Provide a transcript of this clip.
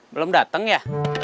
belum dateng ya